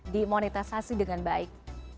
dimonetisasi dengan baik